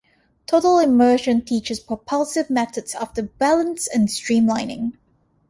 Total Immersion teaches propulsive methods after balance and streamlining.